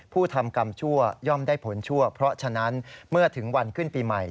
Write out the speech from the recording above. ผู้ทำกรรมชั่วย่อมได้ผลชั่วเพราะฉะนั้นเมื่อถึงวันขึ้นปีใหม่